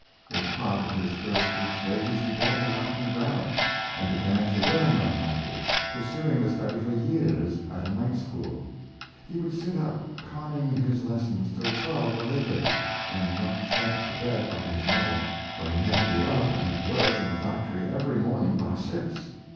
With part of his first week's wages he bought a Latin grammar, and began to learn that language, pursuing the study for years at a night school. He would sit up conning his lessons till twelve or later, when not sent to bed by his mother, for he had to be up and at work in the factory every morning by six.